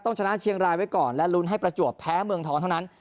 ชนะเชียงรายไว้ก่อนและลุ้นให้ประจวบแพ้เมืองทองเท่านั้น